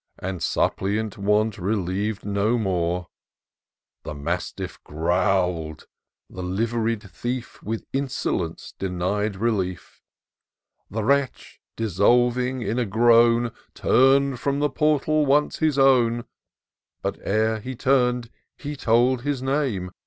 And suppliant Want reliev'd no more. 192 TOUR OF DOCTOR SYNTAX The mastiff growl'd — the liv'ried thief With insolence denied relief: — The wretch, dissolving in a groan, Turn d from the portal, once his own ; But ere he tum'd, he told his name.